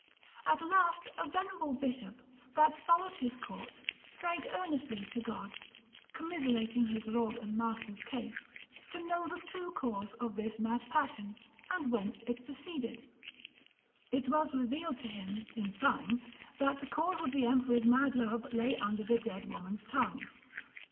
At last a venerable bishop, that followed his court, prayed earnestly to God (commiserating his lord and master's case) to know the true cause of this mad passion, and whence it proceeded; it was revealed to him, in fine, that the cause of the emperor's mad love lay under the dead woman's tongue.